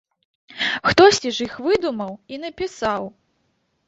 Хтосьці ж іх выдумаў і напісаў!